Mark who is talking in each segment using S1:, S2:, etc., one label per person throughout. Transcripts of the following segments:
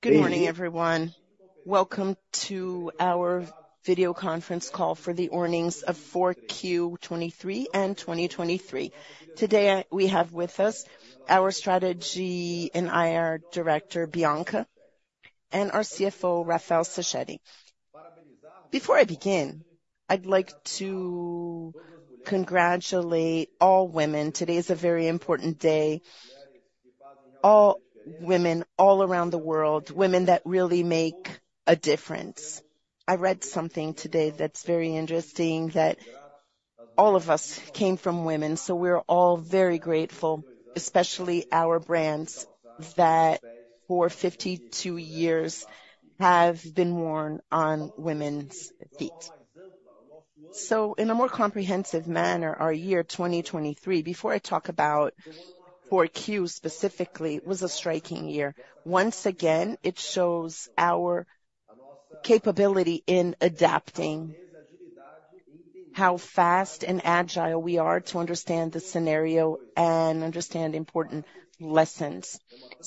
S1: Good morning, everyone. Welcome to our video conference call for the earnings of 4Q 2023. Today we have with us our Strategy and IR Director, Bianca, and our CFO, Rafael Sachete. Before I begin, I'd like to congratulate all women. Today is a very important day. All women all around the world, women that really make a difference. I read something today that's very interesting, that all of us came from women, so we're all very grateful, especially our brands, that for 52 years have been worn on women's feet. In a more comprehensive manner, our year 2023, before I talk about 4Q specifically, was a striking year. Once again, it shows our capability in adapting, how fast and agile we are to understand the scenario and understand important lessons.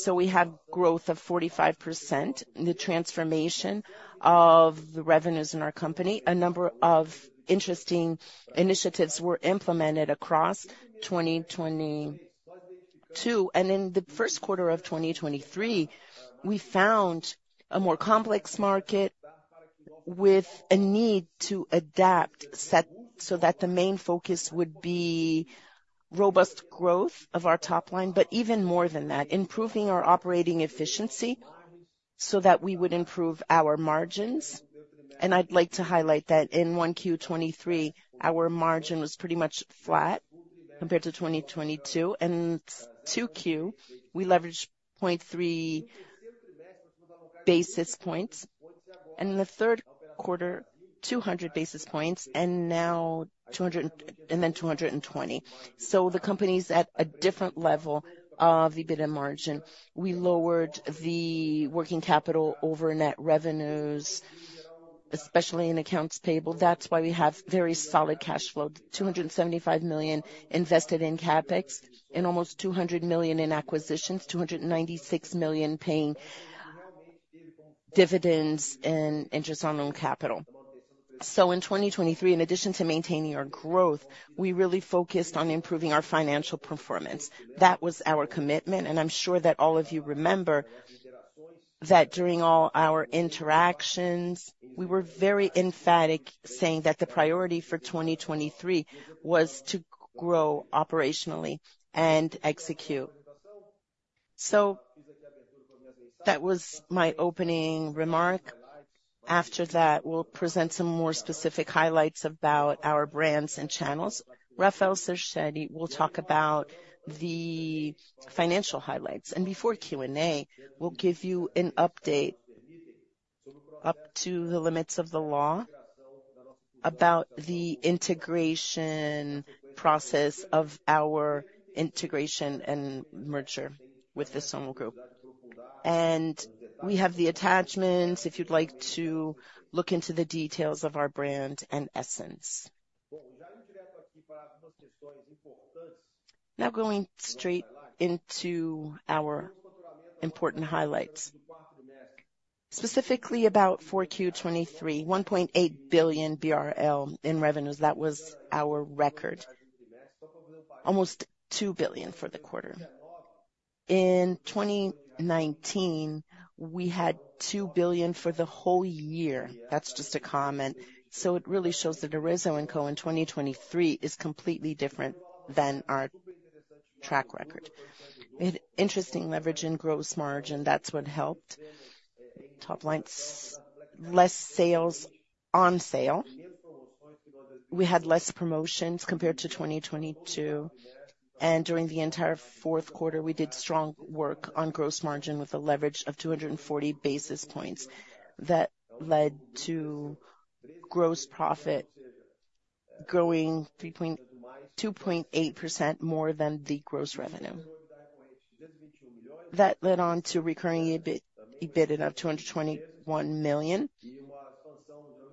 S1: We have growth of 45%, the transformation of the revenues in our company, a number of interesting initiatives were implemented across 2022, and in the first quarter of 2023, we found a more complex market with a need to adapt so that the main focus would be robust growth of our top line, but even more than that, improving our operating efficiency so that we would improve our margins. I'd like to highlight that in 1Q 2023, our margin was pretty much flat compared to 2022, and 2Q, we leveraged 0.3 basis points, and in the third quarter, 200 basis points, and then 220. The company's at a different level of EBITDA margin. We lowered the working capital over net revenues, especially in accounts payable. That's why we have very solid cash flow, 275 million invested in CapEx and almost 200 million in acquisitions, 296 million paying dividends and interest on loan capital. So in 2023, in addition to maintaining our growth, we really focused on improving our financial performance. That was our commitment, and I'm sure that all of you remember that during all our interactions, we were very emphatic saying that the priority for 2023 was to grow operationally and execute. So that was my opening remark. After that, we'll present some more specific highlights about our brands and channels. Rafael Sachete will talk about the financial highlights, and before Q&A, we'll give you an update up to the limits of the law about the integration process of our integration and merger with the Grupo Soma. We have the attachments if you'd like to look into the details of our brand and essence. Now going straight into our important highlights. Specifically about 4Q 2023, 1.8 billion BRL in revenues. That was our record. Almost 2 billion for the quarter. In 2019, we had 2 billion for the whole year. That's just a comment. So it really shows that Arezzo&Co in 2023 is completely different than our track record. Interesting leverage and gross margin, that's what helped. Top lines, less sales on sale. We had less promotions compared to 2022, and during the entire fourth quarter, we did strong work on gross margin with a leverage of 240 basis points that led to gross profit growing 2.8% more than the gross revenue. That led on to recurring EBITDA of BRL 221 million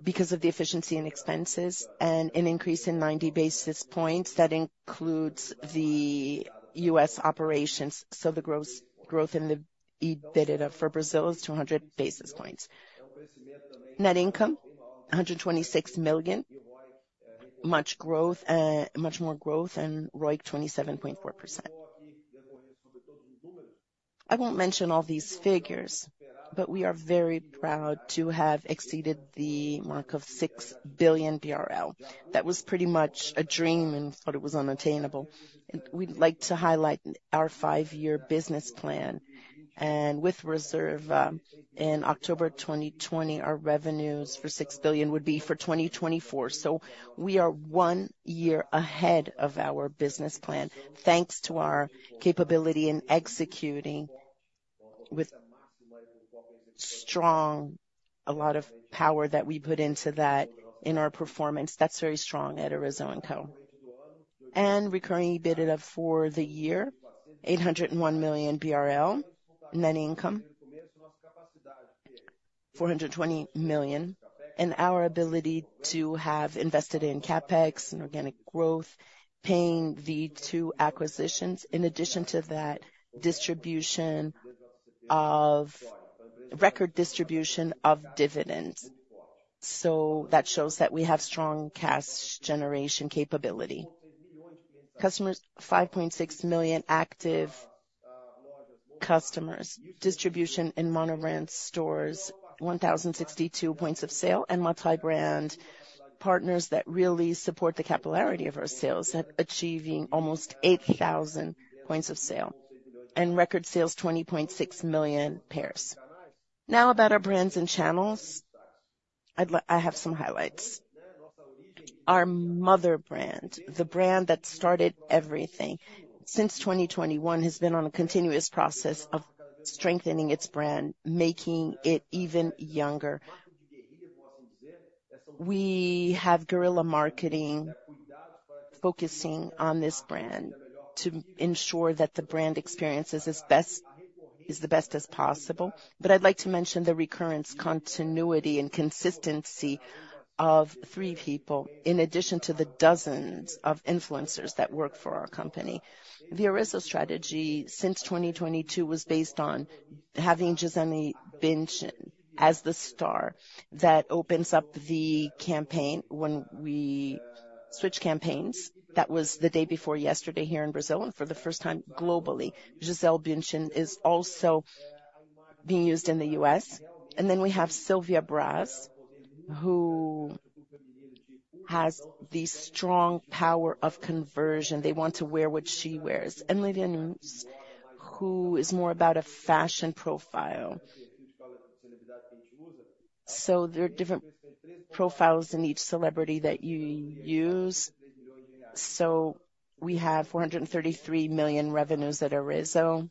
S1: because of the efficiency and expenses and an increase in 90 basis points that includes the U.S. operations. So the growth in the EBITDA for Brazil is 200 basis points. Net income, 126 million, much more growth, and ROIC 27.4%. I won't mention all these figures, but we are very proud to have exceeded the mark of 6 billion BRL. That was pretty much a dream and thought it was unattainable. We'd like to highlight our five-year business plan, and with Reserva in October 2020, our revenues for 6 billion would be for 2024. So we are one year ahead of our business plan thanks to our capability in executing with strong, a lot of power that we put into that in our performance. That's very strong at Arezzo&Co. Recurring EBITDA for the year, 801 million BRL, net income, 420 million, and our ability to have invested in CapEx and organic growth, paying the two acquisitions, in addition to that record distribution of dividends. So that shows that we have strong cash generation capability. Customers, 5.6 million active customers, distribution in monobrand stores, 1,062 points of sale, and multi-brand partners that really support the capillarity of our sales at achieving almost 8,000 points of sale and record sales, 20.6 million pairs. Now about our brands and channels, I have some highlights. Our mother brand, the brand that started everything since 2021, has been on a continuous process of strengthening its brand, making it even younger. We have guerrilla marketing focusing on this brand to ensure that the brand experience is the best as possible. But I'd like to mention the recurrence, continuity, and consistency of three people, in addition to the dozens of influencers that work for our company. The Arezzo strategy since 2022 was based on having Gisele Bündchen as the star that opens up the campaign when we switch campaigns. That was the day before yesterday here in Brazil, and for the first time globally, Gisele Bündchen is also being used in the U.S. And then we have Silvia Braz, who has the strong power of conversion. They want to wear what she wears. And Lívia Nunes, who is more about a fashion profile. So there are different profiles in each celebrity that you use. So we have 433 million revenues at Arezzo,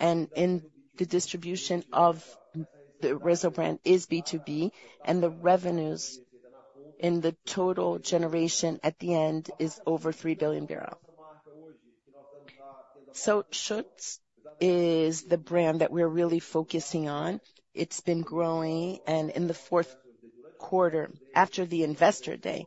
S1: and the distribution of the Arezzo brand is B2B, and the revenues in the total generation at the end is over 3 billion. So Schutz is the brand that we're really focusing on. It's been growing, and in the fourth quarter, after the investor day,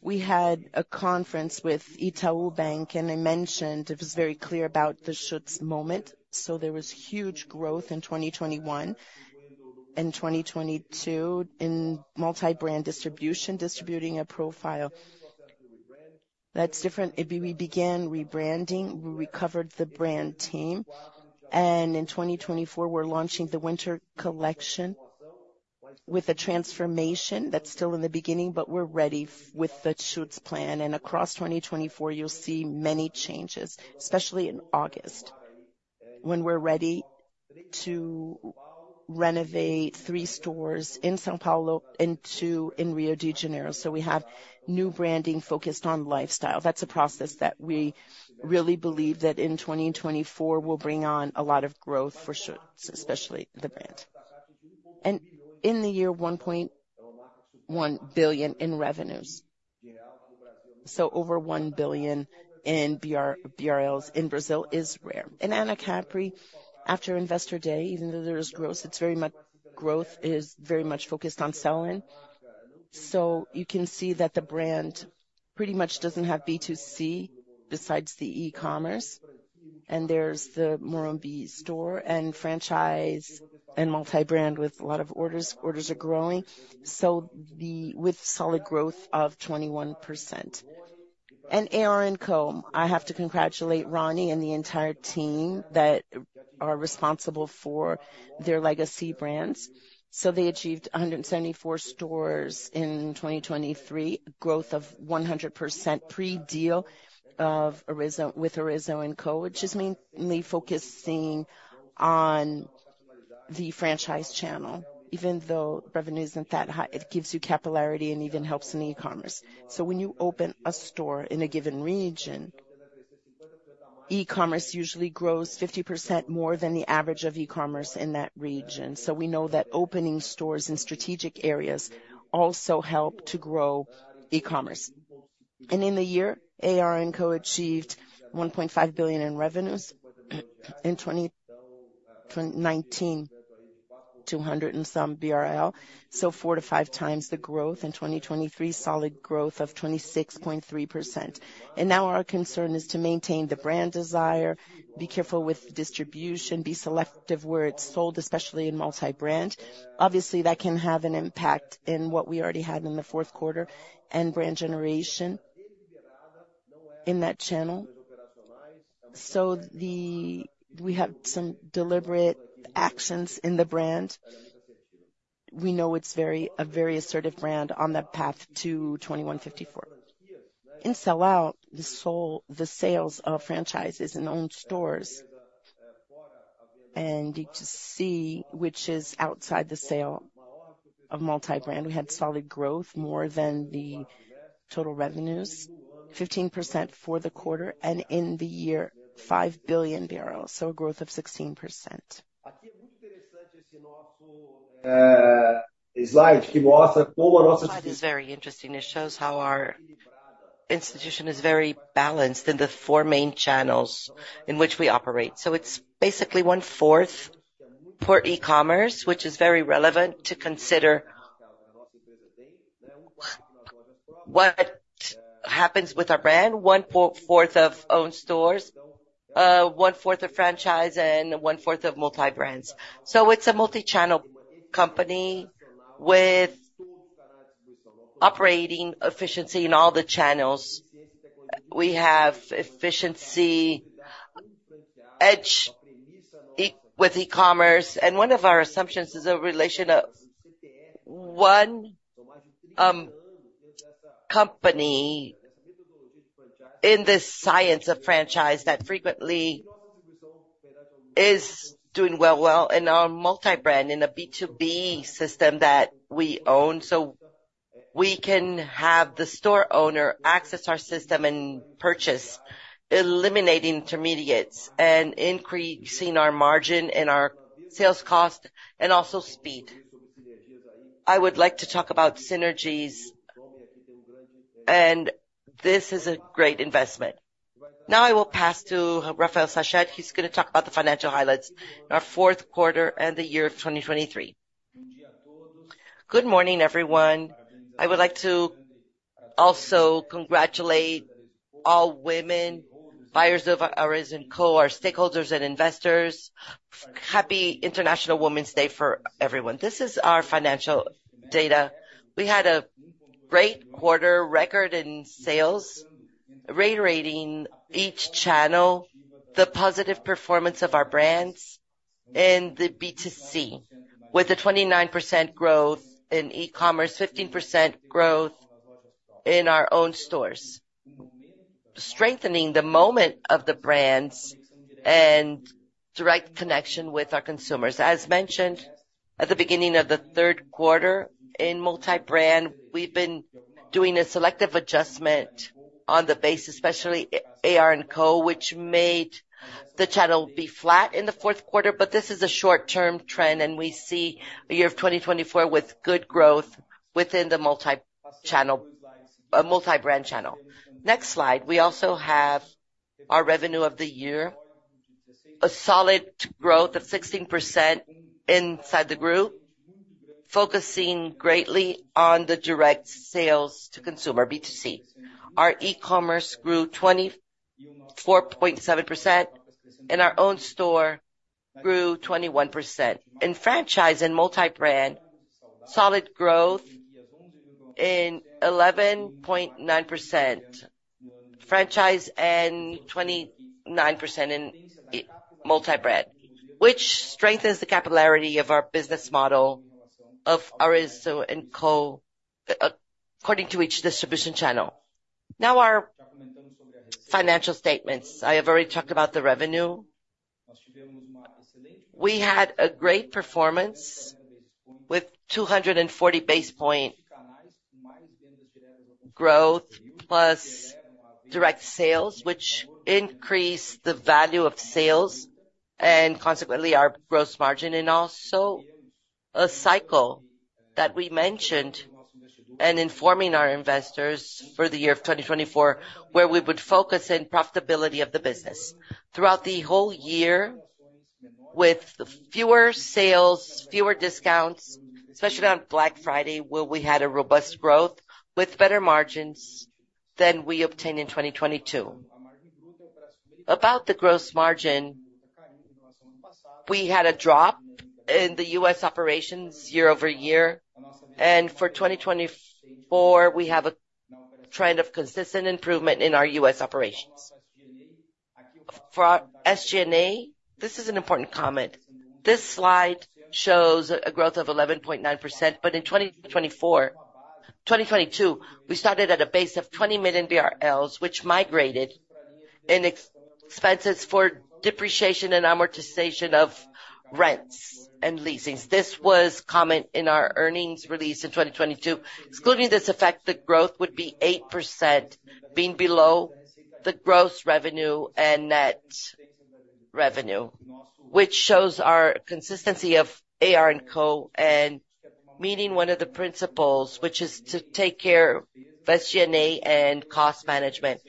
S1: we had a conference with Itaú Bank, and I mentioned it was very clear about the Schutz moment. So there was huge growth in 2021 and 2022 in multi-brand distribution, distributing a profile. That's different. We began rebranding. We recovered the brand team. And in 2024, we're launching the winter collection with a transformation. That's still in the beginning, but we're ready with the Schutz plan. And across 2024, you'll see many changes, especially in August, when we're ready to renovate three stores in São Paulo and two in Rio de Janeiro. So we have new branding focused on lifestyle. That's a process that we really believe that in 2024 will bring on a lot of growth for Schutz, especially the brand. In the year, 1.1 billion in revenues. So over 1 billion BRL in Brazil is rare. And Anacapri, after investor day, even though there is growth, it's very much growth is very much focused on sell-in. So you can see that the brand pretty much doesn't have B2C besides the e-commerce, and there's the mono-brand store and franchise and multi-brand with a lot of orders. Orders are growing with solid growth of 21%. And AR&CO, I have to congratulate Rony and the entire team that are responsible for their legacy brands. So they achieved 174 stores in 2023, growth of 100% pre-deal with Arezzo&Co, which is mainly focusing on the franchise channel, even though revenue isn't that high. It gives you capillarity and even helps in e-commerce. So when you open a store in a given region, e-commerce usually grows 50% more than the average of e-commerce in that region. So we know that opening stores in strategic areas also help to grow e-commerce. And in the year, AR&CO achieved BRL 1.5 billion in revenues in 2019, 200 and some BRL. So 4-5 times the growth in 2023, solid growth of 26.3%. And now our concern is to maintain the brand desire, be careful with distribution, be selective where it's sold, especially in multi-brand. Obviously, that can have an impact in what we already had in the fourth quarter and brand generation in that channel. So we have some deliberate actions in the brand. We know it's a very assertive brand on that path to 2154. In sell-out, the sales of franchises and owned stores, and D2C, which is outside the sale of multi-brand, we had solid growth more than the total revenues, 15% for the quarter, and in the year, 5 billion, so a growth of 16%. That is very interesting. It shows how our institution is very balanced in the four main channels in which we operate. So it's basically 1/4 per e-commerce, which is very relevant to consider what happens with our brand, 1/4 of owned stores, 1/4 of franchise, and 1/4 of multi-brands. So it's a multi-channel company with operating efficiency in all the channels. We have efficiency edge with e-commerce, and one of our assumptions is a relation of one company in the science of franchise that frequently is doing well, well, and our multi-brand in a B2B system that we own. So we can have the store owner access our system and purchase, eliminating intermediates and increasing our margin and our sales cost and also speed. I would like to talk about synergies, and this is a great investment. Now I will pass to Rafael Sachete. He's going to talk about the financial highlights in our fourth quarter and the year of 2023.
S2: Good morning, everyone. I would like to also congratulate all women, buyers of Arezzo&Co., our stakeholders and investors. Happy International Women's Day for everyone. This is our financial data. We had a great quarter record in sales, reiterating each channel, the positive performance of our brands in the B2C with a 29% growth in e-commerce, 15% growth in our own stores, strengthening the moment of the brands and direct connection with our consumers. As mentioned at the beginning of the third quarter in multi-brand, we've been doing a selective adjustment on the base, especially AR&CO, which made the channel be flat in the fourth quarter. But this is a short-term trend, and we see a year of 2024 with good growth within the multi-brand channel. Next slide, we also have our revenue of the year, a solid growth of 16% inside the group, focusing greatly on the direct sales to consumer, B2C. Our e-commerce grew 24.7%, and our own store grew 21%. In franchise and multi-brand, solid growth in 11.9%, franchise and 29% in multi-brand, which strengthens the capillarity of our business model of Arezzo&Co according to each distribution channel. Now our financial statements. I have already talked about the revenue. We had a great performance with 240 basis point growth plus direct sales, which increased the value of sales and consequently our gross margin and also a cycle that we mentioned and informing our investors for the year of 2024 where we would focus on profitability of the business. Throughout the whole year, with fewer sales, fewer discounts, especially on Black Friday, where we had a robust growth with better margins than we obtained in 2022. About the gross margin, we had a drop in the U.S. operations year-over-year, and for 2024, we have a trend of consistent improvement in our U.S. operations. For SG&A, this is an important comment. This slide shows a growth of 11.9%, but in 2022, we started at a base of 20 million BRL, which migrated in expenses for depreciation and amortization of rents and leasing. This was commented in our earnings release in 2022. Excluding this effect, the growth would be 8%, being below the gross revenue and net revenue, which shows our consistency of AR&CO and meeting one of the principles, which is to take care of SG&A and cost management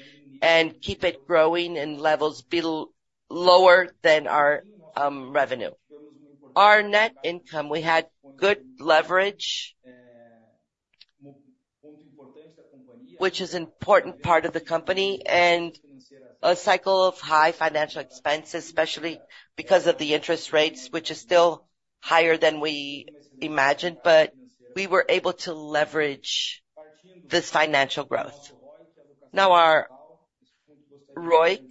S2: and keep it growing in levels lower than our revenue. Our net income, we had good leverage, which is an important part of the company, and a cycle of high financial expenses, especially because of the interest rates, which is still higher than we imagined, but we were able to leverage this financial growth. Now our ROIC,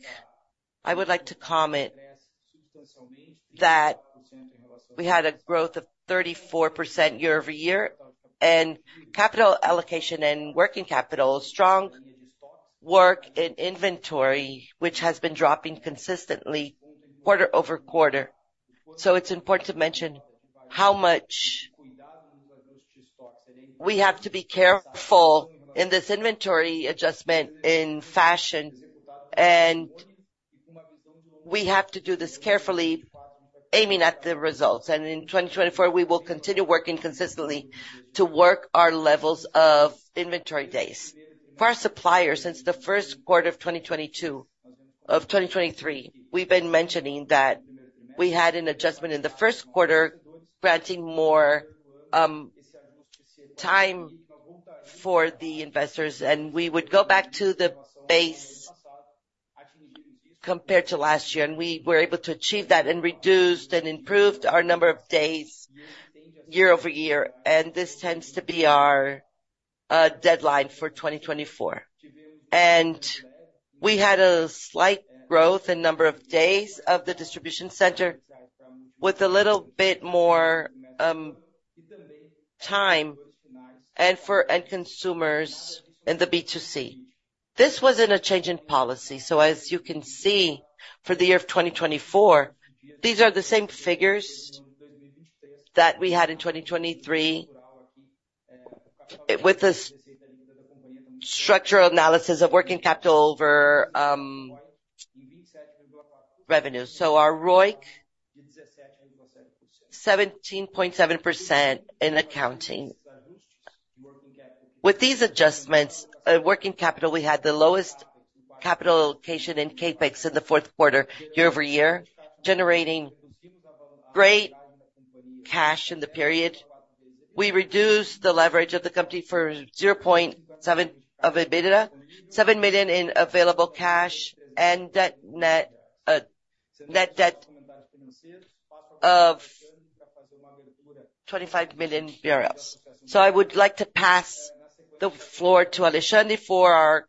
S2: I would like to comment that we had a growth of 34% year-over-year, and capital allocation and working capital, strong work in inventory, which has been dropping consistently quarter-over-quarter. It's important to mention how much we have to be careful in this inventory adjustment in fashion, and we have to do this carefully aiming at the results. In 2024, we will continue working consistently to work our levels of inventory days. For our suppliers, since the first quarter of 2023, we've been mentioning that we had an adjustment in the first quarter, granting more time for the investors, and we would go back to the base compared to last year. We were able to achieve that and reduced and improved our number of days year-over-year, and this tends to be our deadline for 2024. We had a slight growth in number of days of the distribution center with a little bit more time and consumers in the B2C. This wasn't a change in policy. So as you can see, for the year of 2024, these are the same figures that we had in 2023 with the structural analysis of working capital over revenue. So our ROIC, 17.7% in accounting. With these adjustments, working capital, we had the lowest capital allocation in CapEx in the fourth quarter year-over-year, generating great cash in the period. We reduced the leverage of the company for 0.7 billion in available cash and net debt of 25 million BRL. So I would like to pass the floor to Alexandre for our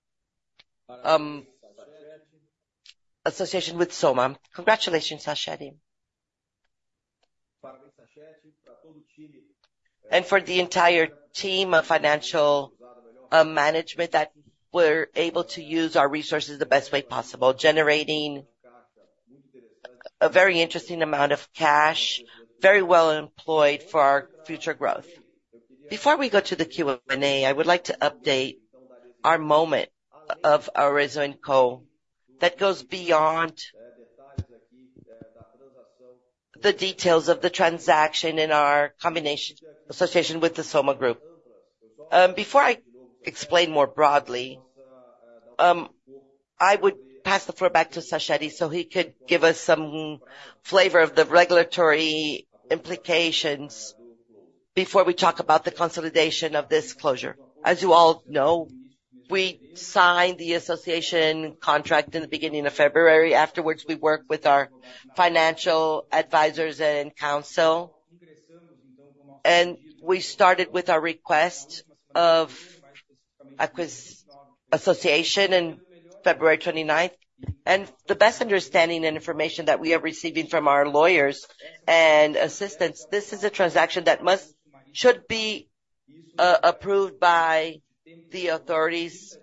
S2: association with Soma.
S1: Congratulations, Sachete. And for the entire team of financial management that were able to use our resources the best way possible, generating a very interesting amount of cash, very well employed for our future growth. Before we go to the Q&A, I would like to update our moment of Arezzo&Co. That goes beyond the details of the transaction in our combination association with the Soma Group. Before I explain more broadly, I would pass the floor back to Sachete so he could give us some flavor of the regulatory implications before we talk about the consolidation of this closure.
S2: As you all know, we signed the association contract in the beginning of February. Afterwards, we worked with our financial advisors and counsel, and we started with our request of acquisition on February 29th. The best understanding and information that we are receiving from our lawyers and assistants, this is a transaction that should be approved by the authorities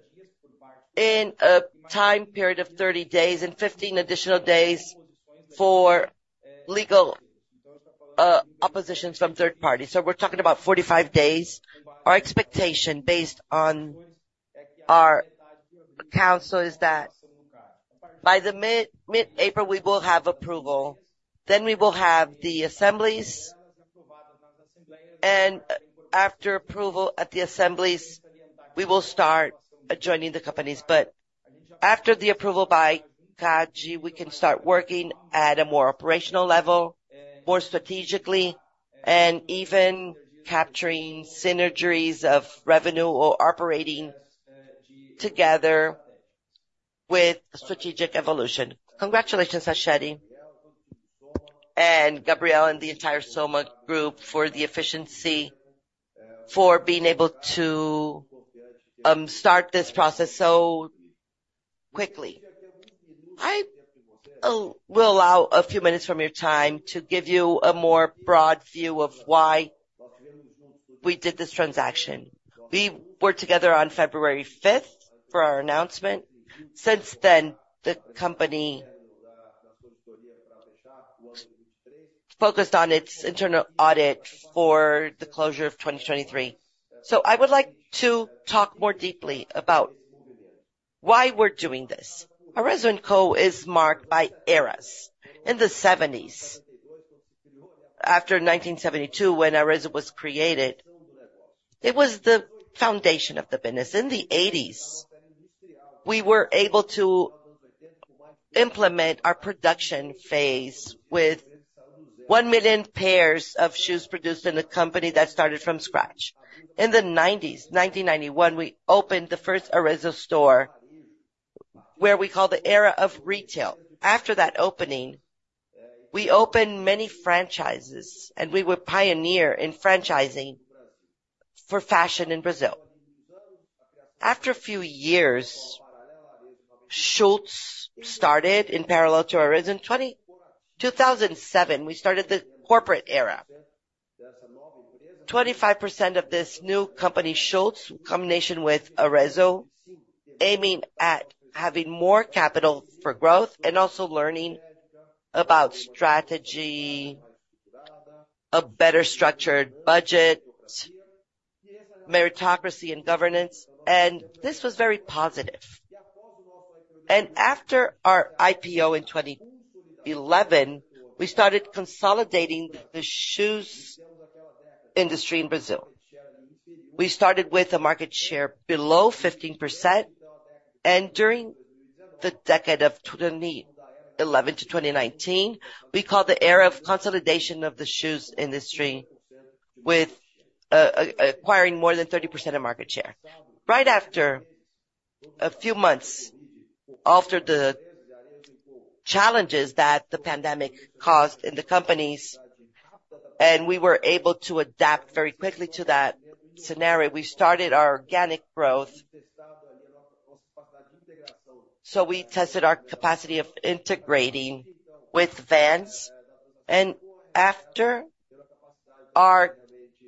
S2: in a time period of 30 days and 15 additional days for legal oppositions from third parties. So we're talking about 45 days. Our expectation based on our counsel is that by mid-April, we will have approval. Then we will have the assemblies, and after approval at the assemblies, we will start adjoining the companies. But after the approval by CADE, we can start working at a more operational level, more strategically, and even capturing synergies of revenue or operating together with strategic evolution.
S1: Congratulations, Sachete, and Gabriel and the entire Soma Group for the efficiency for being able to start this process so quickly. I will allow a few minutes from your time to give you a more broad view of why we did this transaction. We were together on February 5th for our announcement. Since then, the company focused on its internal audit for the closure of 2023. So I would like to talk more deeply about why we're doing this. Arezzo&Co is marked by eras in the '70s. After 1972, when Arezzo was created, it was the foundation of the business. In the '80s, we were able to implement our production phase with 1 million pairs of shoes produced in the company that started from scratch. In the '90s, 1991, we opened the first Arezzo store where we call the era of retail. After that opening, we opened many franchises, and we were pioneers in franchising for fashion in Brazil. After a few years, Schutz started in parallel to Arezzo. In 2007, we started the corporate era. 25% of this new company, Schutz, combination with Arezzo, aiming at having more capital for growth and also learning about strategy, a better structured budget, meritocracy, and governance. This was very positive. After our IPO in 2011, we started consolidating the shoes industry in Brazil. We started with a market share below 15%, and during the decade of 2011-2019, we called the era of consolidation of the shoes industry with acquiring more than 30% of market share. Right after a few months after the challenges that the pandemic caused in the companies, and we were able to adapt very quickly to that scenario, we started our organic growth. So we tested our capacity of integrating with Vans. And after our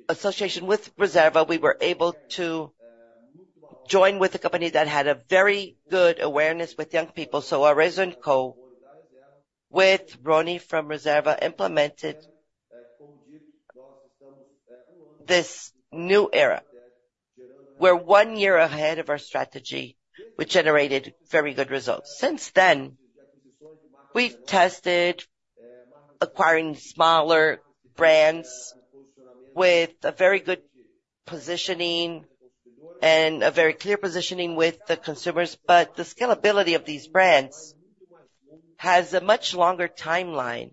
S1: association with Reserva, we were able to join with a company that had a very good awareness with young people. So Arezzo&Co, with Rony from Reserva, implemented this new era. We're one year ahead of our strategy, which generated very good results. Since then, we've tested acquiring smaller brands with a very good positioning and a very clear positioning with the consumers. But the scalability of these brands has a much longer timeline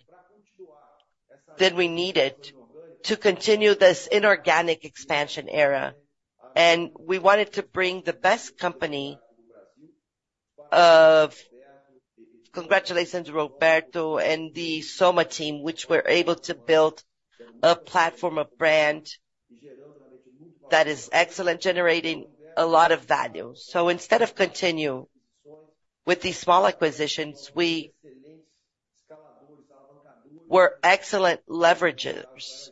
S1: than we needed to continue this inorganic expansion era. And we wanted to bring the best company of congratulations, Roberto, and the Soma team, which were able to build a platform of brand that is excellent, generating a lot of value. So instead of continuing with these small acquisitions, we were excellent leveragers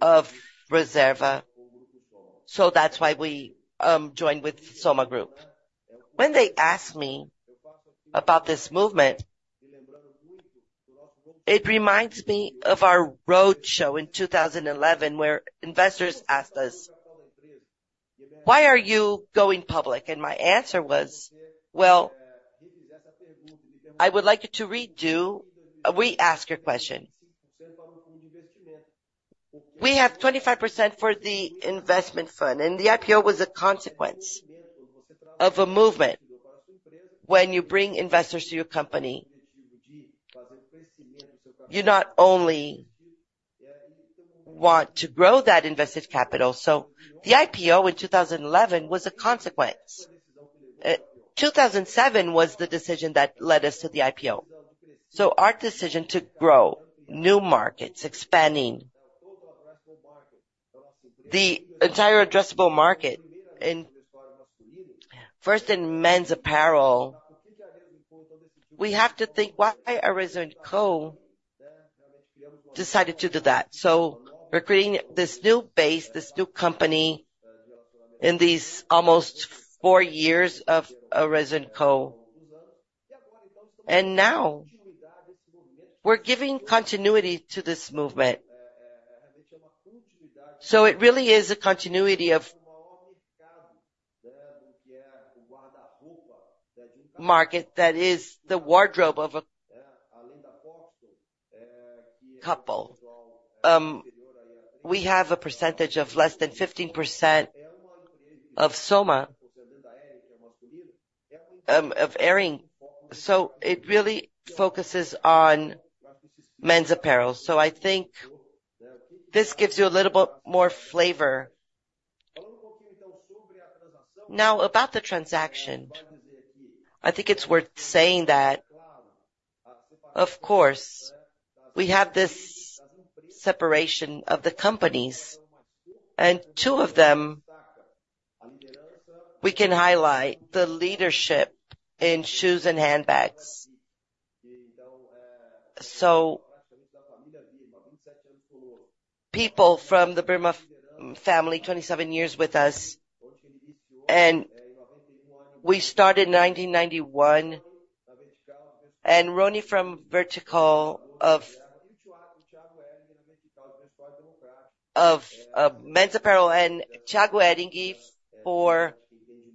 S1: of Reserva. So that's why we joined with Soma Group. When they asked me about this movement, it reminds me of our roadshow in 2011 where investors asked us, "Why are you going public?" And my answer was, "Well, I would like you to redo we ask your question." We have 25% for the investment fund, and the IPO was a consequence of a movement. When you bring investors to your company, you not only want to grow that invested capital. The IPO in 2011 was a consequence. 2007 was the decision that led us to the IPO. Our decision to grow new markets, expanding the entire addressable market, first in men's apparel. We have to think why Arezzo&Co decided to do that. We're creating this new base, this new company in these almost four years of Arezzo&Co. And now, we're giving continuity to this movement. It really is a continuity of market that is the wardrobe of a couple. We have a percentage of less than 15% of SOMA. It really focuses on men's apparel. I think this gives you a little bit more flavor. Now, about the transaction, I think it's worth saying that, of course, we have this separation of the companies, and two of them, we can highlight the leadership in shoes and handbags. So people from the Birman family, 27 years with us, and we started in 1991, and Rony from Vertical of men's apparel and Thiago Hering for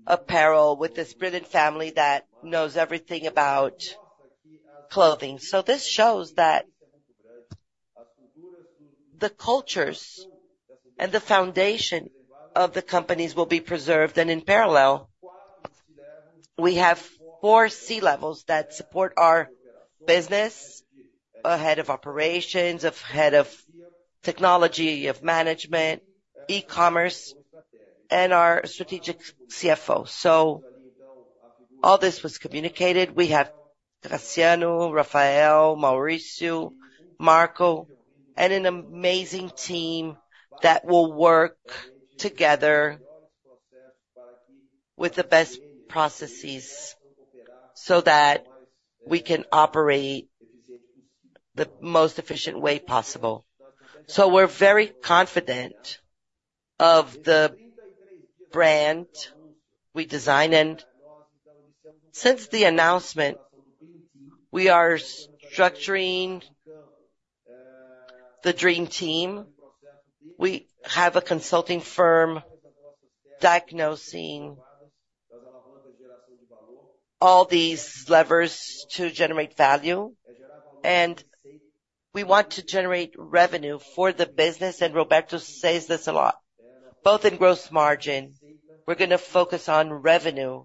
S1: apparel with this brilliant family that knows everything about clothing. So this shows that the cultures and the foundation of the companies will be preserved. And in parallel, we have four C-levels that support our business: a head of operations, a head of technology, of management, e-commerce, and our strategic CFO. So all this was communicated. We have Graciano, Rafael, Maurício, Marco, and an amazing team that will work together with the best processes so that we can operate the most efficient way possible. So we're very confident of the brand we design. And since the announcement, we are structuring the dream team. We have a consulting firm diagnosing all these levers to generate value, and we want to generate revenue for the business. Roberto says this a lot, both in gross margin. We're going to focus on revenue,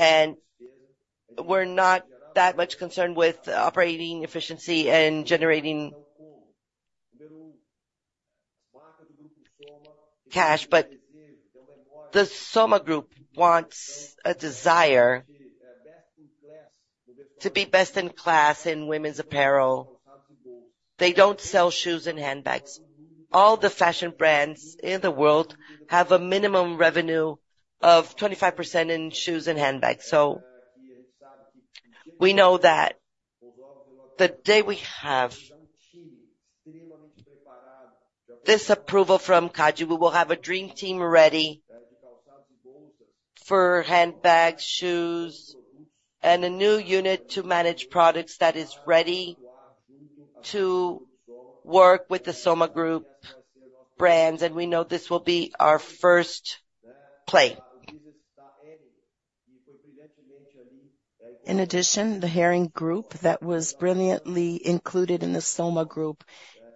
S1: and we're not that much concerned with operating efficiency and generating cash. But the Grupo Soma wants a desire to be best in class in women's apparel. They don't sell shoes and handbags. All the fashion brands in the world have a minimum revenue of 25% in shoes and handbags. So we know that the day we have this approval from CADE, we will have a dream team ready for handbags, shoes, and a new unit to manage products that is ready to work with the Grupo Soma brands. And we know this will be our first play. In addition, the Hering that was brilliantly included in the Soma Group,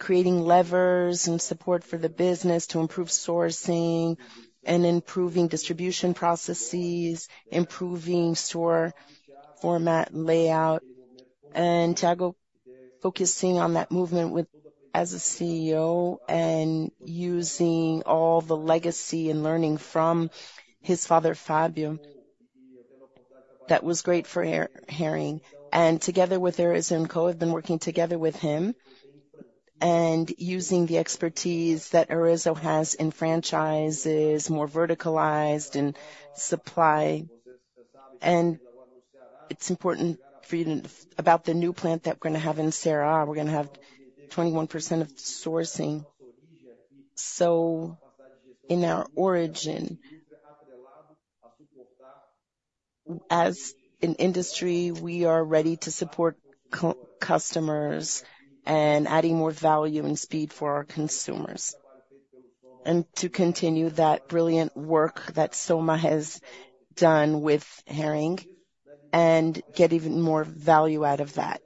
S1: creating levers and support for the business to improve sourcing and improving distribution processes, improving store format layout, and Thiago focusing on that movement as a CEO and using all the legacy and learning from his father, Fábio, that was great for Hering. Together with Arezzo&Co, I've been working together with him and using the expertise that Arezzo has in franchises, more verticalized and supply. It's important about the new plant that we're going to have in Serra. We're going to have 21% of sourcing. So in our origin, as an industry, we are ready to support customers and adding more value and speed for our consumers and to continue that brilliant work that Soma has done with Hering and get even more value out of that.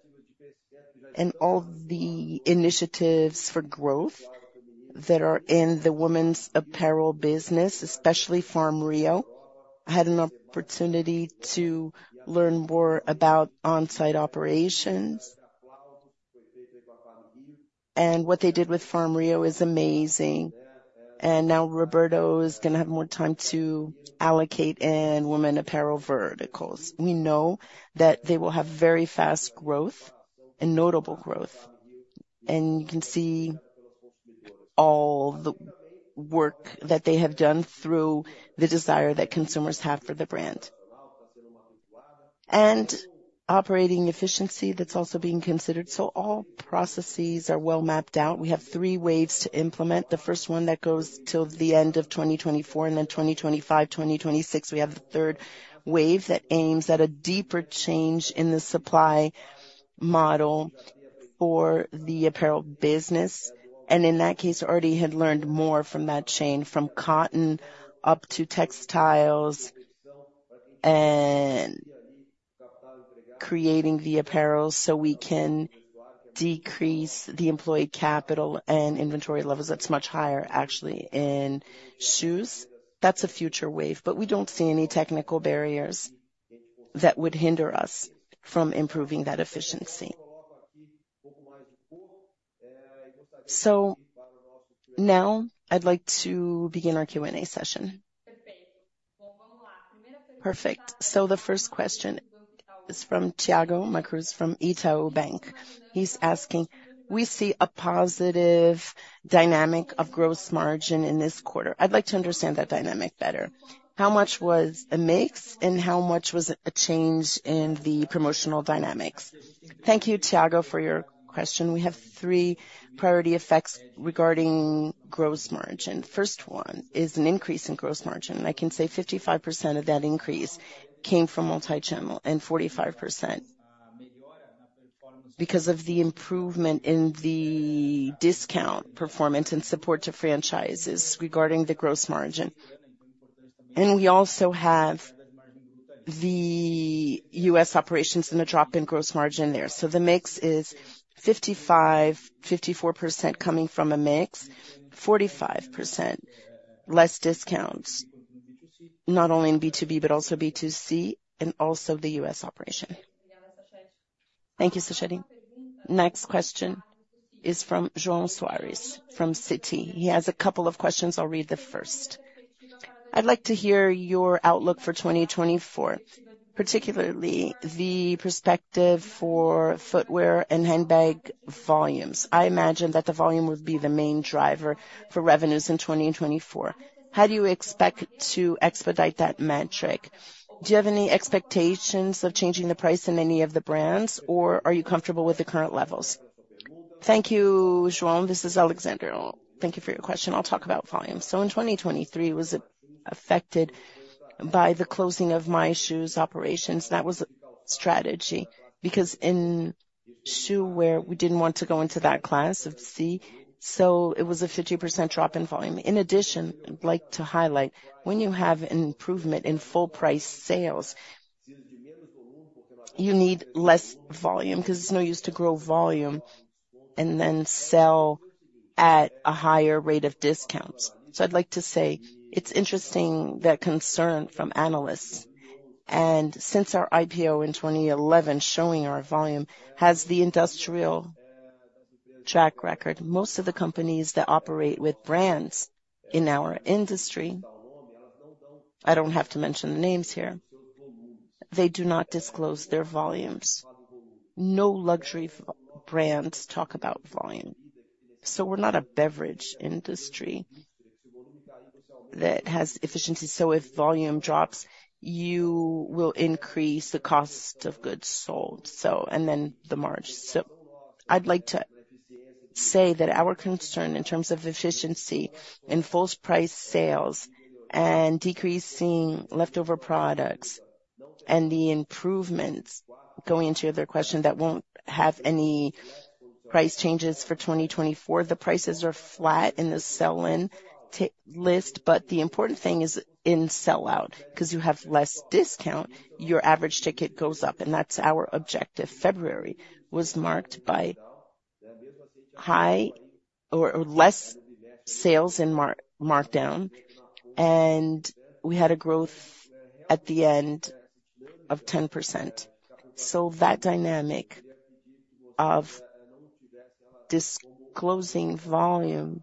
S1: All the initiatives for growth that are in the women's apparel business, especially Farm Rio, I had an opportunity to learn more about on-site operations. What they did with Farm Rio is amazing. Now Roberto is going to have more time to allocate in women's apparel verticals. We know that they will have very fast growth and notable growth. You can see all the work that they have done through the desire that consumers have for the brand and operating efficiency that's also being considered. So all processes are well mapped out. We have three waves to implement. The first one that goes till the end of 2024, and then 2025, 2026, we have the third wave that aims at a deeper change in the supply model for the apparel business. In that case, already had learned more from that chain, from cotton up to textiles and creating the apparel so we can decrease the employee capital and inventory levels. That's much higher, actually, in shoes. That's a future wave, but we don't see any technical barriers that would hinder us from improving that efficiency. So now I'd like to begin our Q&A session.
S3: Perfect. So the first question is from Thiago Macruz from Itaú Bank. He's asking, "We see a positive dynamic of gross margin in this quarter. I'd like to understand that dynamic better. How much was a mix, and how much was a change in the promotional dynamics?"
S2: Thank you, Thiago, for your question. We have three priority effects regarding gross margin. First one is an increase in gross margin. I can say 55% of that increase came from multi-channel and 45% because of the improvement in the discount performance and support to franchises regarding the gross margin. We also have the U.S. operations and a drop in gross margin there. The mix is 55%, 54% coming from a mix, 45% less discounts, not only in B2B but also B2C, and also the U.S. operation.
S3: Thank you, Sachete. Next question is from João Soares from Citi. He has a couple of questions. I'll read the first. "I'd like to hear your outlook for 2024, particularly the perspective for footwear and handbag volumes. I imagine that the volume would be the main driver for revenues in 2024. How do you expect to expedite that metric? Do you have any expectations of changing the price in any of the brands, or are you comfortable with the current levels?"
S1: Thank you, João. This is Alexandre. Thank you for your question. I'll talk about volume. So in 2023, was it affected by the closing of My Shoes operations? That was a strategy because in footwear, we didn't want to go into that class of C. So it was a 50% drop in volume. In addition, I'd like to highlight, when you have an improvement in full-price sales, you need less volume because there's no use to grow volume and then sell at a higher rate of discounts. So I'd like to say it's interesting that concern from analysts. Since our IPO in 2011 showing our volume has the industrial track record, most of the companies that operate with brands in our industry, I don't have to mention the names here, they do not disclose their volumes. No luxury brands talk about volume. So we're not a beverage industry that has efficiency. So if volume drops, you will increase the cost of goods sold and then the margin. So I'd like to say that our concern in terms of efficiency in full-price sales and decreasing leftover products and the improvements, going into your other question, that won't have any price changes for 2024. The prices are flat in the sell-in list, but the important thing is in sell-out because you have less discount. Your average ticket goes up, and that's our objective. February was marked by high or less sales in markdown, and we had a growth at the end of 10%. So that dynamic of disclosing volume,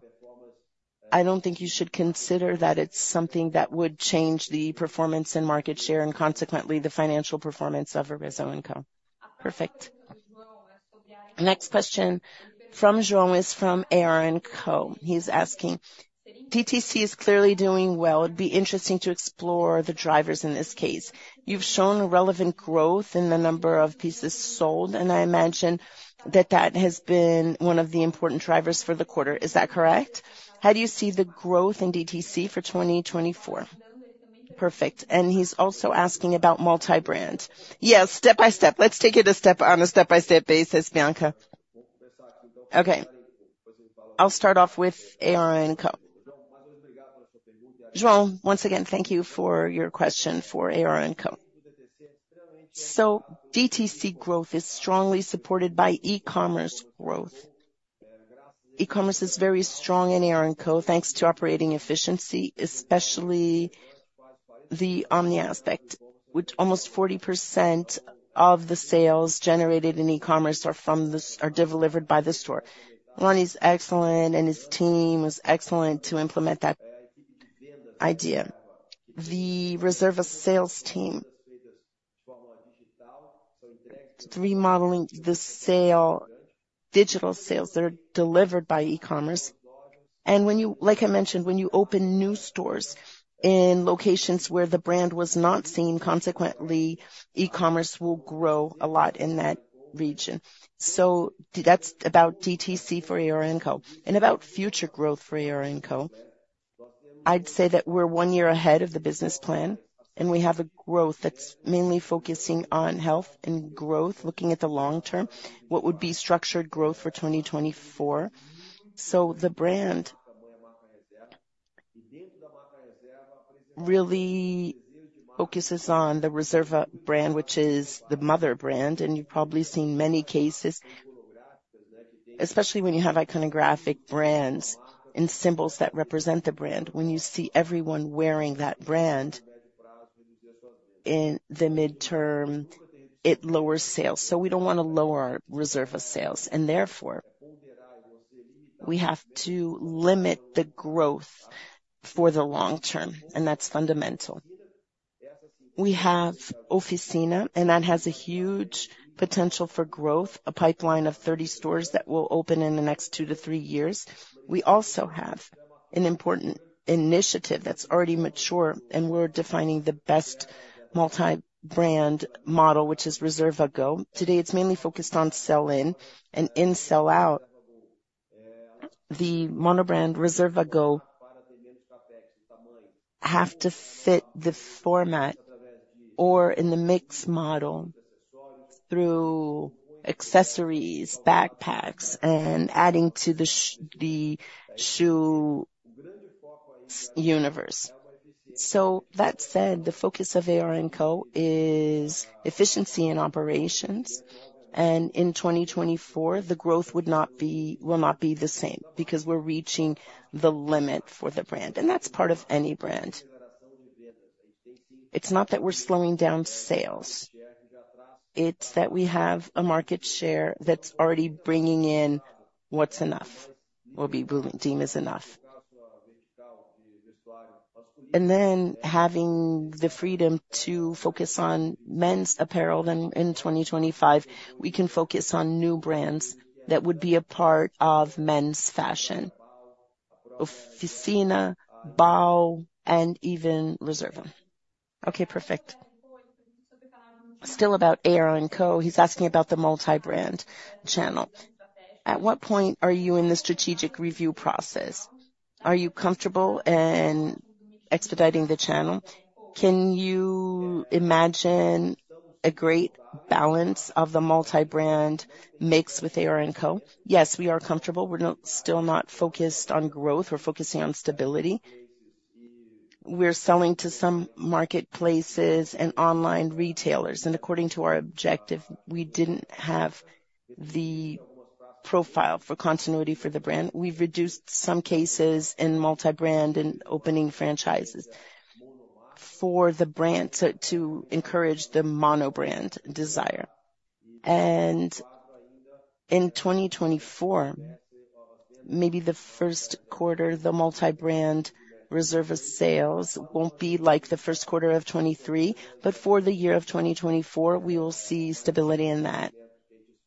S1: I don't think you should consider that it's something that would change the performance and market share and consequently the financial performance of Arezzo&Co.
S3: Perfect. Next question from João is from AR&CO. He's asking, "DTC is clearly doing well. It'd be interesting to explore the drivers in this case. You've shown relevant growth in the number of pieces sold, and I imagine that that has been one of the important drivers for the quarter. Is that correct? How do you see the growth in DTC for 2024?"
S1: Perfect.
S3: And he's also asking about multi-brand.
S1: Yes, step by step. Let's take it on a step-by-step basis, Bianca. Okay. I'll start off with AR&CO. João, once again, thank you for your question for AR&CO. So DTC growth is strongly supported by e-commerce growth. E-commerce is very strong in AR&CO, thanks to operating efficiency, especially the Omni aspect, which almost 40% of the sales generated in e-commerce are delivered by the store. Rony's excellent, and his team was excellent to implement that idea. The Reserva sales team is modeling the digital sales that are delivered by e-commerce. Like I mentioned, when you open new stores in locations where the brand was not seen, consequently, e-commerce will grow a lot in that region. So that's about DTC for AR&CO. And about future growth for AR&CO, I'd say that we're one year ahead of the business plan, and we have a growth that's mainly focusing on health and growth, looking at the long term, what would be structured growth for 2024. So the brand really focuses on the Reserva brand, which is the mother brand. You've probably seen many cases, especially when you have iconographic brands and symbols that represent the brand. When you see everyone wearing that brand in the midterm, it lowers sales. We don't want to lower our Reserva sales. Therefore, we have to limit the growth for the long term, and that's fundamental. We have Oficina, and that has a huge potential for growth, a pipeline of 30 stores that will open in the next 2-3 years. We also have an important initiative that's already mature, and we're defining the best multi-brand model, which is Reserva Go. Today, it's mainly focused on sell-in and sell-out. The monobrand Reserva Go have to fit the format or in the mix model through accessories, backpacks, and adding to the shoe universe. That said, the focus of AR&CO is efficiency in operations. In 2024, the growth will not be the same because we're reaching the limit for the brand. That's part of any brand. It's not that we're slowing down sales. It's that we have a market share that's already bringing in what's enough, what we deem is enough. Then having the freedom to focus on men's apparel in 2025, we can focus on new brands that would be a part of men's fashion: Oficina, BAW, and even Reserva.
S3: Okay, perfect. Still about AR&CO. He's asking about the multi-brand channel. At what point are you in the strategic review process? Are you comfortable expediting the channel? Can you imagine a great balance of the multi-brand mix with AR&CO?
S1: Yes, we are comfortable. We're still not focused on growth. We're focusing on stability. We're selling to some marketplaces and online retailers. According to our objective, we didn't have the profile for continuity for the brand. We've reduced some cases in multi-brand and opening franchises for the brand to encourage the monobrand desire. And in 2024, maybe the first quarter, the multi-brand Reserva sales won't be like the first quarter of 2023, but for the year of 2024, we will see stability in that.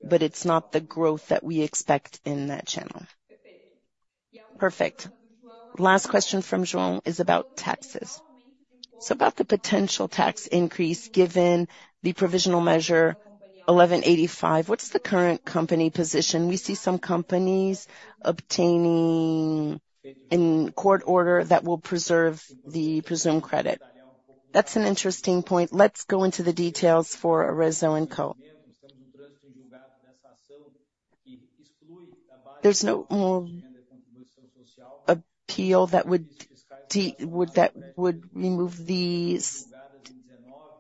S1: But it's not the growth that we expect in that channel.
S3: Perfect. Last question from João is about taxes. So about the potential tax increase given the Provisional Measure 1185, what's the current company position?
S1: We see some companies obtaining in court order that will preserve the presumed credit. That's an interesting point. Let's go into the details for Arezzo&Co. There's no more appeal that would remove the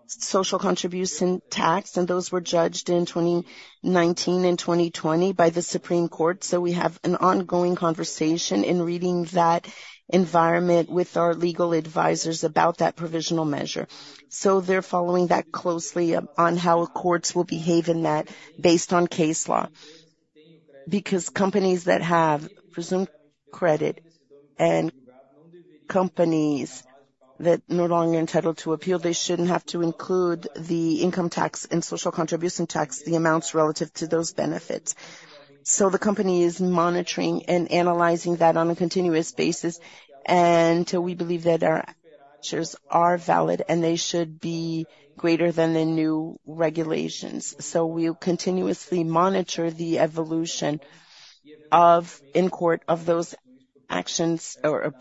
S1: social contribution tax, and those were judged in 2019 and 2020 by the Supreme Court. We have an ongoing conversation in reading that environment with our legal advisors about that provisional measure. So they're following that closely on how courts will behave in that based on case law because companies that have presumed credit and companies that no longer are entitled to appeal, they shouldn't have to include the income tax and social contribution tax, the amounts relative to those benefits. So the company is monitoring and analyzing that on a continuous basis until we believe that our actions are valid and they should be greater than the new regulations. So we'll continuously monitor the evolution in court of those actions or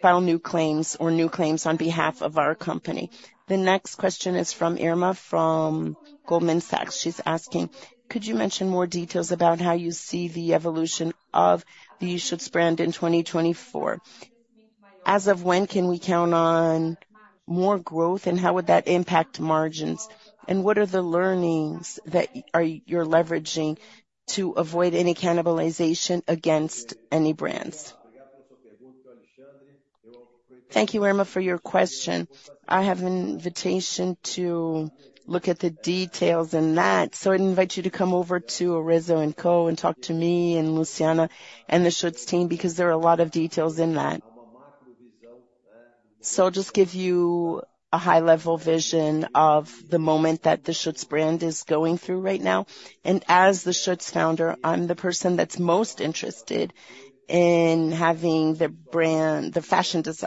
S1: file new claims or new claims on behalf of our company.
S3: The next question is from Irma from Goldman Sachs. She's asking, "Could you mention more details about how you see the evolution of the shoes brand in 2024? As of when, can we count on more growth, and how would that impact margins? And what are the learnings that you're leveraging to avoid any cannibalization against any brands?"
S1: Thank you, Irma, for your question. I have an invitation to look at the details in that. So I'd invite you to come over to Arezzo&Co and talk to me and Luciana and the Schutz team because there are a lot of details in that. So I'll just give you a high-level vision of the moment that the Schutz brand is going through right now. And as the Schutz founder, I'm the person that's most interested in having the brand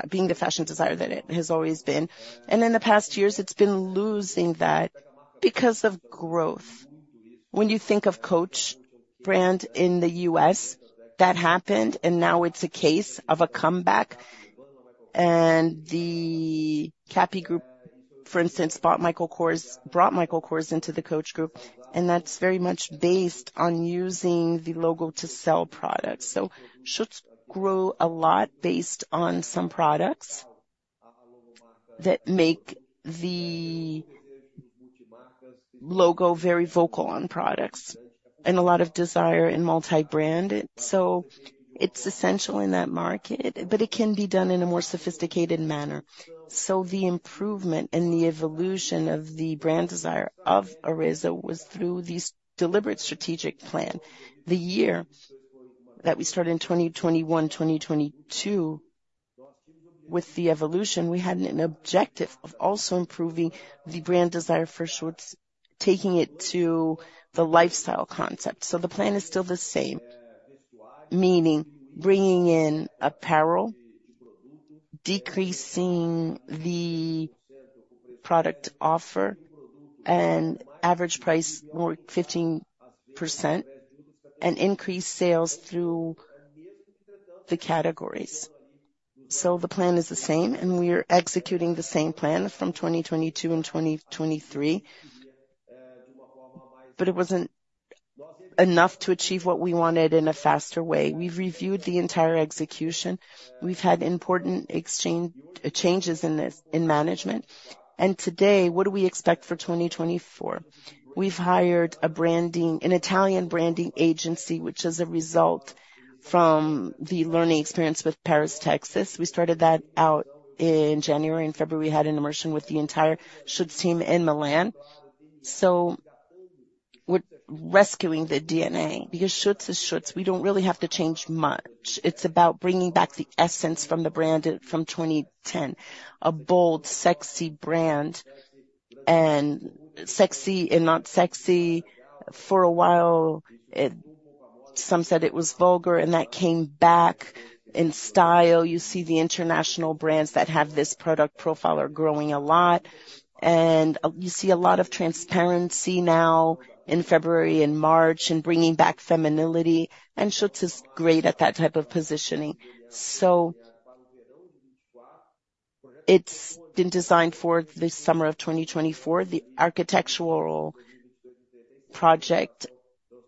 S1: being the fashion desire that it has always been. And in the past years, it's been losing that because of growth. When you think of Coach brand in the U.S., that happened, and now it's a case of a comeback. The Tapestry Group, for instance, brought Michael Kors into the Coach group, and that's very much based on using the logo to sell products. Schutz grew a lot based on some products that make the logo very vocal on products and a lot of desire in multi-brand. It's essential in that market, but it can be done in a more sophisticated manner. The improvement and the evolution of the brand desire of Arezzo was through this deliberate strategic plan. The year that we started in 2021, 2022, with the evolution, we had an objective of also improving the brand desire for Schutz, taking it to the lifestyle concept. So the plan is still the same, meaning bringing in apparel, decreasing the product offer and average price more 15%, and increase sales through the categories. So the plan is the same, and we're executing the same plan from 2022 and 2023, but it wasn't enough to achieve what we wanted in a faster way. We've reviewed the entire execution. We've had important changes in management. And today, what do we expect for 2024? We've hired an Italian branding agency, which is a result from the learning experience with Paris Texas. We started that out in January. In February, we had an immersion with the entire Schutz team in Milan. So rescuing the DNA because Schutz is Schutz. We don't really have to change much. It's about bringing back the essence from the brand from 2010, a bold, sexy brand. Sexy and not sexy, for a while, some said it was vulgar, and that came back in style. You see the international brands that have this product profile are growing a lot, and you see a lot of transparency now in February and March and bringing back femininity. Schutz is great at that type of positioning. So it's been designed for the summer of 2024. The architectural project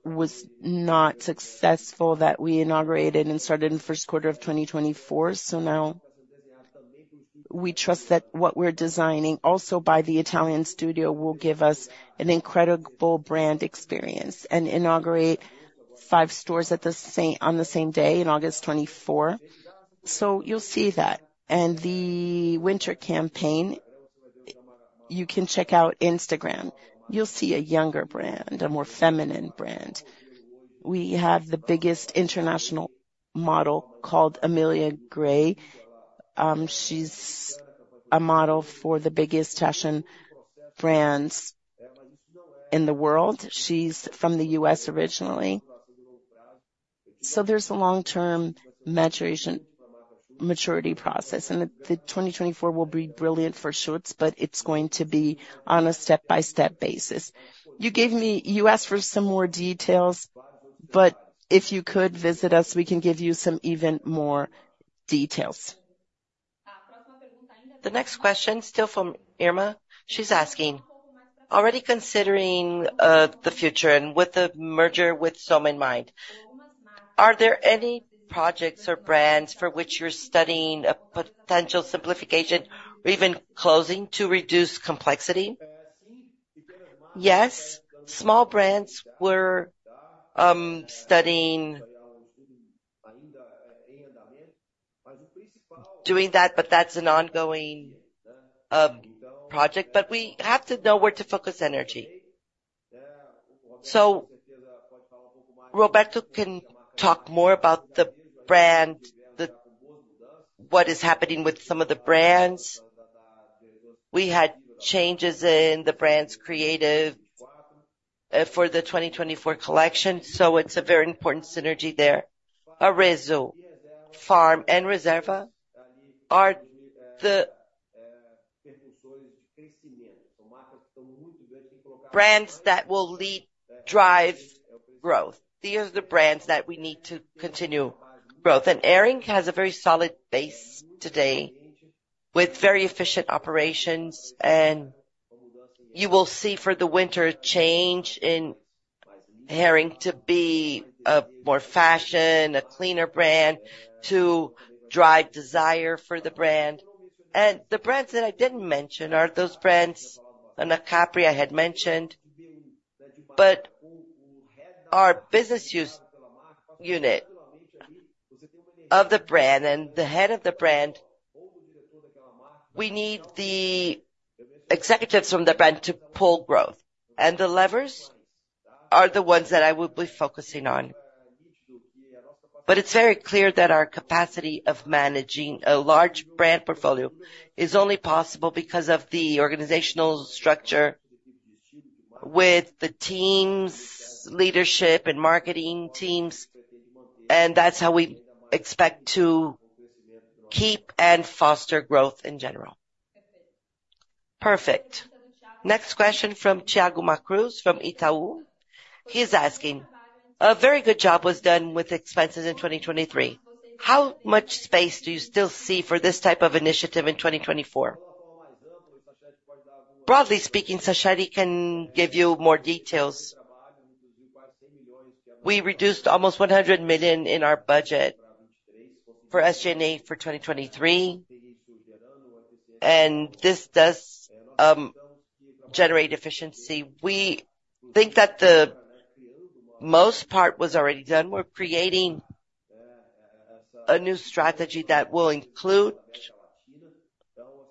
S1: was not successful that we inaugurated and started in the first quarter of 2024. So now we trust that what we're designing, also by the Italian studio, will give us an incredible brand experience and inaugurate five stores on the same day in August 2024. So you'll see that. The winter campaign, you can check out Instagram. You'll see a younger brand, a more feminine brand. We have the biggest international model called Amelia Gray. She's a model for the biggest fashion brands in the world. She's from the U.S. originally. So there's a long-term maturity process. And 2024 will be brilliant for Schutz, but it's going to be on a step-by-step basis. You asked for some more details, but if you could visit us, we can give you some even more details.
S3: The next question, still from Irma. She's asking, "Already considering the future and with the merger with Soma in mind, are there any projects or brands for which you're studying a potential simplification or even closing to reduce complexity?"
S1: Yes. Small brands we're studying doing that, but that's an ongoing project. But we have to know where to focus energy. So Roberto can talk more about the brand, what is happening with some of the brands. We had changes in the brand's creative for the 2024 collection, so it's a very important synergy there. Arezzo, Farm, and Reserva are the precursors of crescimento. So markets that are very big brands that will drive growth. These are the brands that we need to continue growth. Hering has a very solid base today with very efficient operations. You will see for the winter a change in Hering to be more fashion, a cleaner brand to drive desire for the brand. The brands that I didn't mention are those brands and the Anacapri I had mentioned, but our business unit of the brand and the head of the brand, we need the executives from the brand to pull growth. The levers are the ones that I will be focusing on. But it's very clear that our capacity of managing a large brand portfolio is only possible because of the organizational structure with the teams, leadership, and marketing teams. And that's how we expect to keep and foster growth in general.
S3: Perfect. Next question from Thiago Macruz from Itaú. He's asking, "A very good job was done with expenses in 2023. How much space do you still see for this type of initiative in 2024?"
S1: Broadly speaking, Sachete can give you more details. We reduced almost 100 million in our budget for SG&A for 2023, and this does generate efficiency. We think that the most part was already done. We're creating a new strategy that will include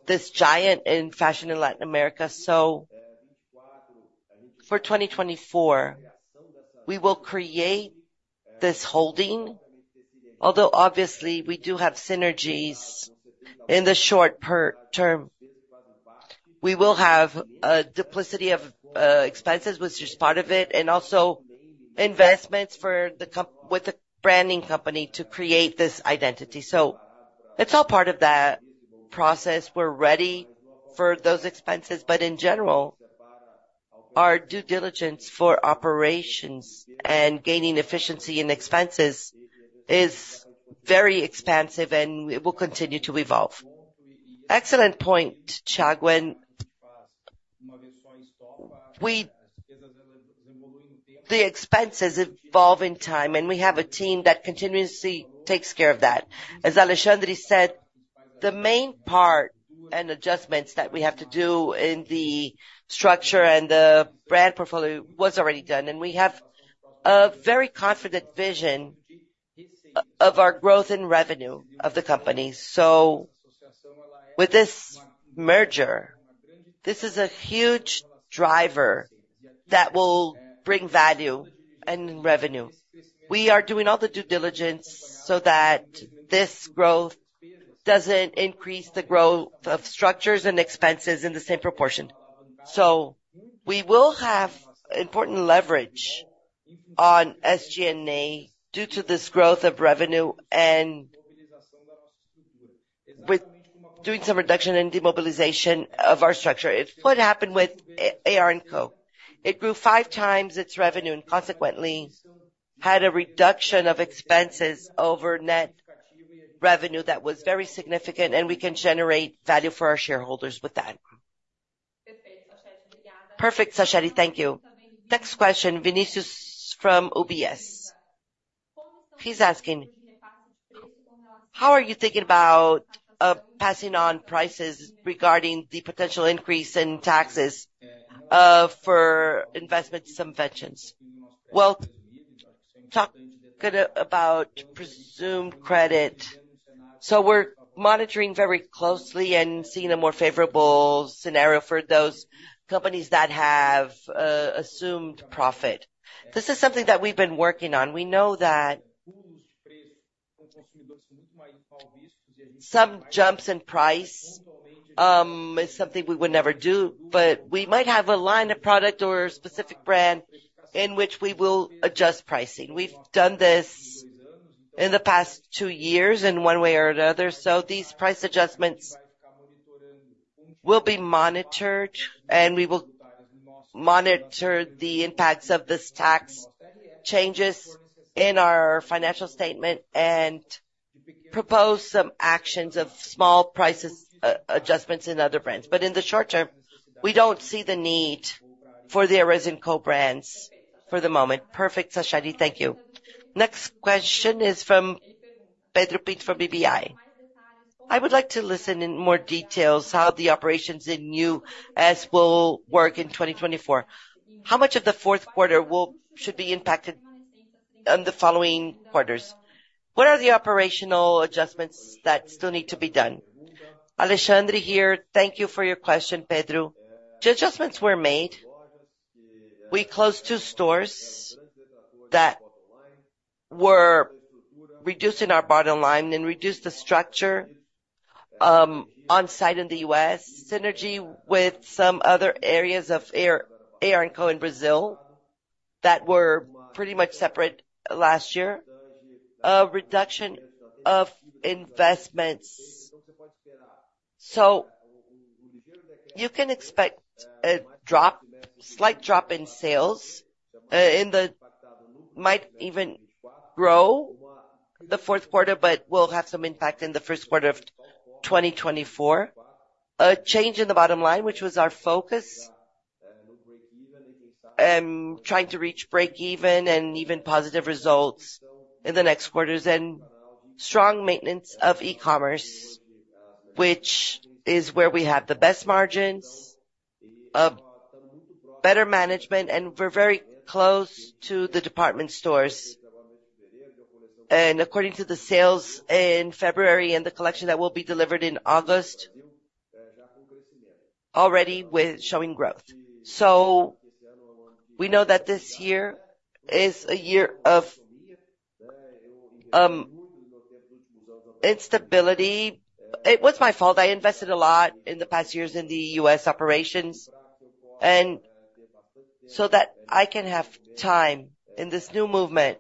S1: this giant in fashion in Latin America. So for 2024, we will create this holding. Although, obviously, we do have synergies in the short term. We will have a duplication of expenses, which is part of it, and also investments with the branding company to create this identity. So it's all part of that process. We're ready for those expenses. But in general, our due diligence for operations and gaining efficiency in expenses is very extensive, and it will continue to evolve.
S2: Excellent point, Thiago. The expenses evolve in time, and we have a team that continuously takes care of that. As Alexandre said, the main part and adjustments that we have to do in the structure and the brand portfolio was already done. We have a very confident vision of our growth and revenue of the company. So with this merger, this is a huge driver that will bring value and revenue. We are doing all the due diligence so that this growth doesn't increase the growth of structures and expenses in the same proportion. So we will have important leverage on SG&A due to this growth of revenue and doing some reduction and demobilization of our structure. It's what happened with AR&CO. It grew 5 times its revenue and consequently had a reduction of expenses over net revenue that was very significant, and we can generate value for our shareholders with that.
S3: Perfect, Sachete. Thank you. Next question, Vinícius from UBS. He's asking, "How are you thinking about passing on prices regarding the potential increase in taxes for investment subventions?"
S2: Well, talk about presumed credit. So we're monitoring very closely and seeing a more favorable scenario for those companies that have assumed profit. This is something that we've been working on. We know that some jumps in price is something we would never do, but we might have a line of product or a specific brand in which we will adjust pricing. We've done this in the past two years in one way or another. So these price adjustments will be monitored, and we will monitor the impacts of these tax changes in our financial statement and propose some actions of small price adjustments in other brands. But in the short term, we don't see the need for the Arezzo&Co brands for the moment.
S3: Perfect, Sachete. Thank you. Next question is from Pedro Pinto from BBI. "I would like to listen in more details how the operations in U.S. will work in 2024. How much of the fourth quarter should be impacted on the following quarters? What are the operational adjustments that still need to be done?"
S1: Alexandre here. Thank you for your question, Pedro. The adjustments were made. We closed two stores that were reducing our bottom line and reduced the structure on site in the U.S. Synergy with some other areas of AR&Co in Brazil that were pretty much separate last year. A reduction of investments. So you can expect a slight drop in sales. It might even grow the fourth quarter, but will have some impact in the first quarter of 2024. A change in the bottom line, which was our focus, and trying to reach break-even and even positive results in the next quarters, and strong maintenance of e-commerce, which is where we have the best margins of better management. We're very close to the department stores. According to the sales in February and the collection that will be delivered in August, already showing growth. So we know that this year is a year of instability. It was my fault. I invested a lot in the past years in the U.S. operations so that I can have time in this new movement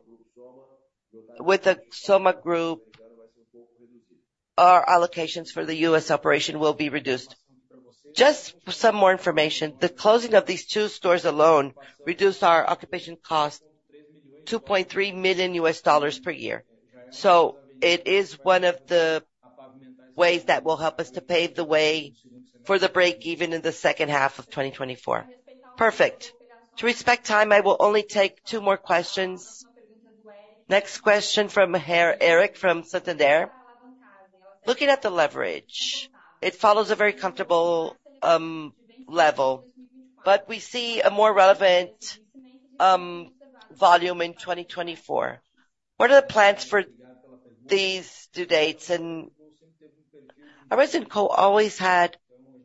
S1: with the Soma Group. Our allocations for the U.S. operation will be reduced. Just some more information. The closing of these two stores alone reduced our occupation cost to $2.3 million per year. So it is one of the ways that will help us to pave the way for the break-even in the second half of 2024.
S3: Perfect. To respect time, I will only take two more questions. Next question from Eric from Santander. "Looking at the leverage, it follows a very comfortable level, but we see a more relevant volume in 2024. What are the plans for these due dates?"
S1: Arezzo&Co always had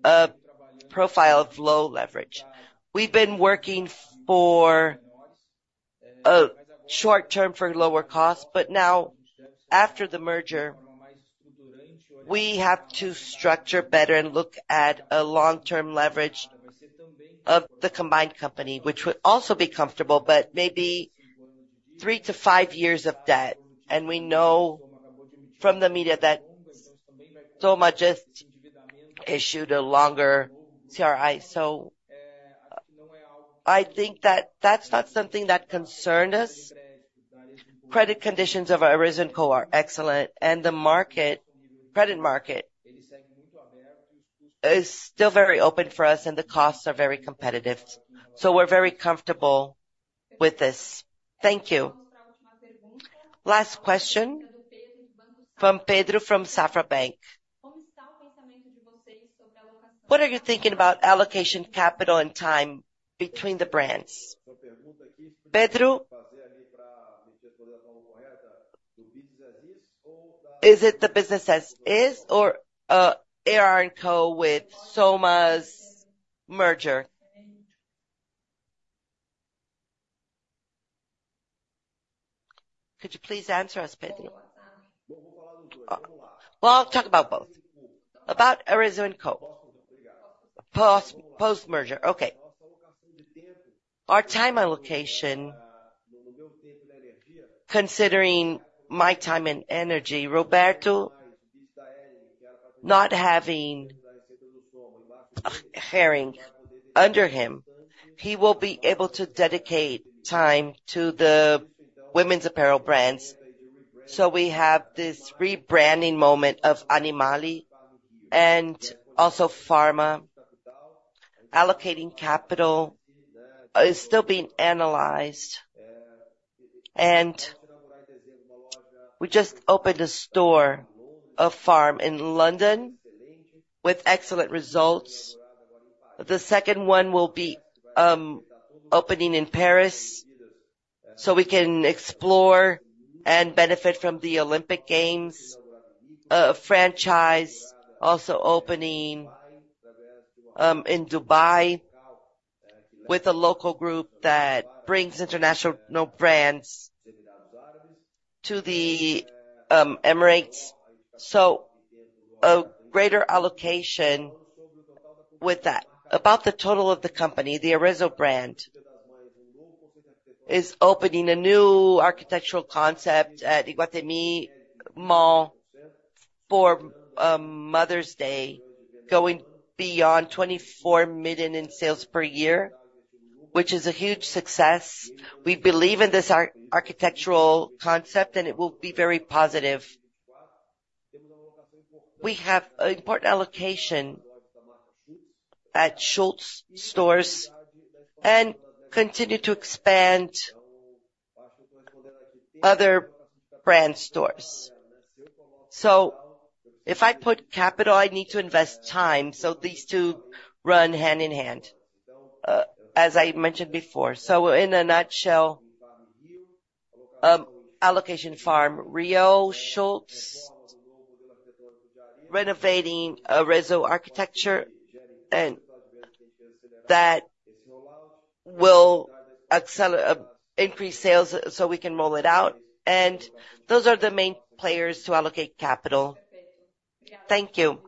S1: a profile of low leverage. We've been working short-term for lower costs, but now, after the merger, we have to structure better and look at a long-term leverage of the combined company, which would also be comfortable, but maybe three to five years of debt. And we know from the media that Soma just issued a longer CRI. So I think that that's not something that concerned us. Credit conditions of Arezzo&Co are excellent, and the credit market is still very open for us, and the costs are very competitive. So we're very comfortable with this.
S3: Thank you. Last question from Pedro from Safra Bank. "What are you thinking about allocation capital and time between the brands? Is it the business as is or AR&CO with Soma's merger? Could you please answer us?" Pedro.
S1: Well, I'll talk about both. About Arezzo&Co post-merger. Okay. Considering my time and energy, Roberto, not having Hering under him, he will be able to dedicate time to the women's apparel brands. So we have this rebranding moment of Animale and also Farm. Allocating capital is still being analyzed. And we just opened a store of Farm in London with excellent results. The second one will be opening in Paris so we can explore and benefit from the Olympic Games. A franchise also opening in Dubai with a local group that brings international brands to the Emirates. So a greater allocation with that. About the total of the company, the Arezzo brand is opening a new architectural concept at Iguatemi Mall for Mother's Day, going beyond 24 million in sales per year, which is a huge success. We believe in this architectural concept, and it will be very positive. We have an important allocation at Schutz stores and continue to expand other brand stores. So if I put capital, I need to invest time so these two run hand in hand, as I mentioned before. So in a nutshell, allocation Farm Rio, Schutz, renovating Arezzo architecture. And that will increase sales so we can roll it out. And those are the main players to allocate capital. Thank you.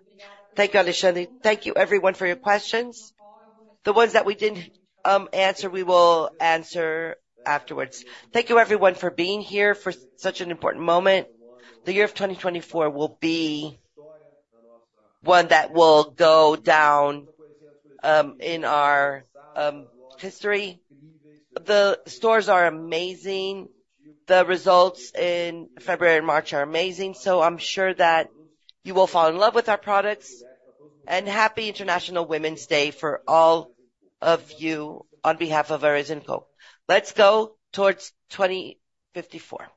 S3: Thank you, Alexandre. Thank you, everyone, for your questions. The ones that we didn't answer, we will answer afterwards.
S1: Thank you, everyone, for being here for such an important moment. The year of 2024 will be one that will go down in our history. The stores are amazing. The results in February and March are amazing. So I'm sure that you will fall in love with our products. Happy International Women's Day for all of you on behalf of Arezzo&Co. Let's go towards 2054.